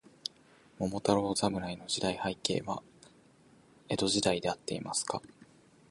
桃太郎侍の時代背景は、江戸時代であっていますか。